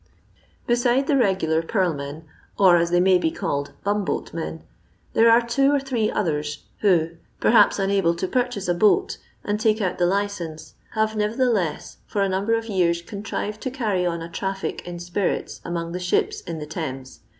Beside the regular purl men, or, as they may be called, bumboat men, there are two or three others who, perhaps unable to purchase a boat, and take out the licence, have nevertheless for a number of years contrived to carry on a traffic in spirits among the ships in the Thames.